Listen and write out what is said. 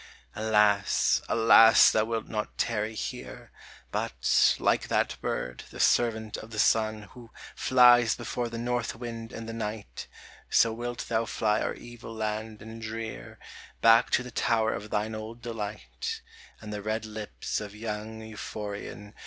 Alas, alas, thou wilt not tarry here, But, like that bird, the servant of the sun, Who flies before the northwind and the night, So wilt thou fly our evil land and drear, Back to the tower of thine old delight, And the red lips of young Euphorion ;[?